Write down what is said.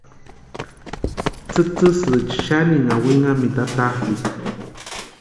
Tsïtsïsïcha xaninha winhamintu atapʼikʼa.